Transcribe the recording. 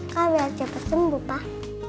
kalo biar cepet sembuh pak